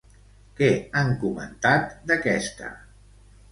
Què han comentat d'aquesta?